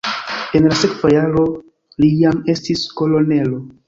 En la sekva jaro li jam estis kolonelo.